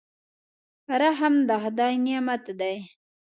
رحم د خدای نعمت دی.